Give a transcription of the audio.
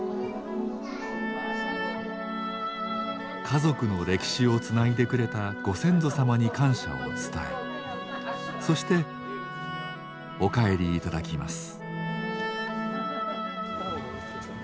家族の歴史をつないでくれたご先祖様に感謝を伝えそしてお帰り頂きます。